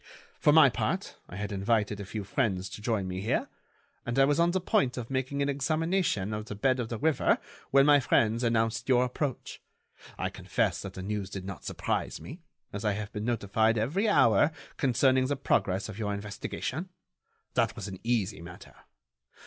For my part I had invited a few friends to join me here, and I was on the point of making an examination of the bed of the river when my friends announced your approach. I confess that the news did not surprise me, as I have been notified every hour concerning the progress of your investigation. That was an easy matter.